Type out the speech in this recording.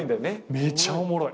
めちゃおもろい。